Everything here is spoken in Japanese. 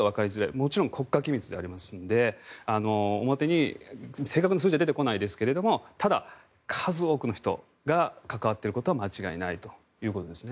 もちろん国家機密でありますので表に、正確な数字は出てこないですけどただ、数多くの人が関わっていることは間違いないということですね。